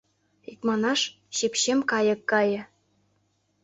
Икманаш, чепчем кайык гае.